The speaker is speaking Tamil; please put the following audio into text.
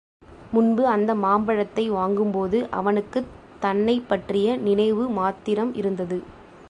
முன்பு அந்த மாம்பழத்தை வாங்கும்போது அவனுக்குத் தன்னைப் பற்றிய நினைவு மாத்திரம் இருந்தது.